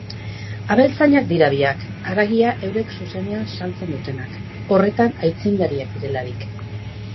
Abeltzainak dira biak, haragia eurek zuzenean saltzen dutenak, horretan aitzindariak direlarik.